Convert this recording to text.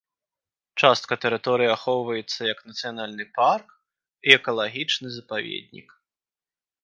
Частка тэрыторыі ахоўваецца як нацыянальны парк і экалагічны запаведнік.